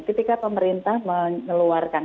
ketika pemerintah mengeluarkan